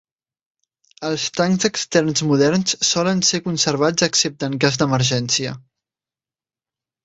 Els tancs externs moderns solen ser conservats excepte en cas d'emergència.